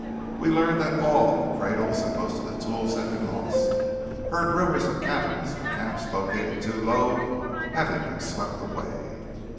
We learned that all the cradles and most of the tools had been lost; and heard rumours of cabins or camps located too low having been swept away.